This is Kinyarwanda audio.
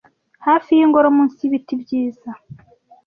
hafi yingoro munsi yibiti byiza